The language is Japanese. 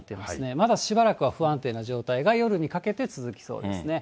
まだしばらくは不安定な状態が、夜にかけて続きそうですね。